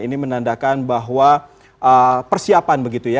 ini menandakan bahwa persiapan begitu ya